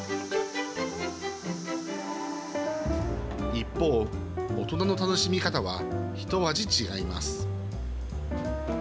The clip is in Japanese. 一方、大人の楽しみ方はひと味違います。